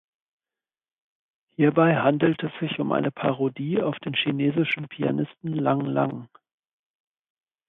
Hierbei handelt es sich um eine Parodie auf den chinesischen Pianisten Lang Lang.